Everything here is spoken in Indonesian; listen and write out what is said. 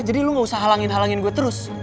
jadi lo gak usah halangin halangin gue terus